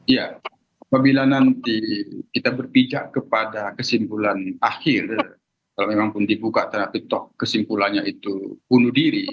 ya apabila nanti kita berpijak kepada kesimpulan akhir kalau memang pun dibuka karena ketok kesimpulannya itu bunuh diri